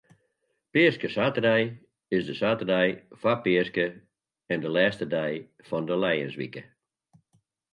Peaskesaterdei is de saterdei foar Peaske en de lêste dei fan de lijenswike.